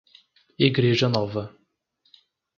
Igreja Nova